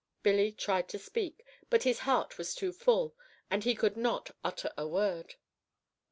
Billy tried to speak, but his heart was too full, and he could not utter a word.